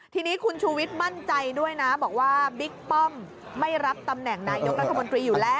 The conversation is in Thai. ทีนี้คุณชูวิทย์มั่นใจด้วยนะบอกว่าบิ๊กป้อมไม่รับตำแหน่งนายกรัฐมนตรีอยู่แล้ว